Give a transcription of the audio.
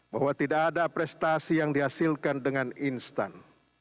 bahwa tidak ada prestasi yang dihasilkan dengan instan